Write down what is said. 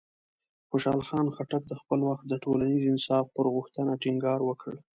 خوشحال خان خټک د خپل وخت د ټولنیز انصاف پر غوښتنه ټینګار وکړ.